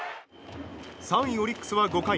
３位オリックスは５回。